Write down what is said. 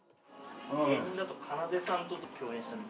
芸人だとかなでさんと共演したみたいです。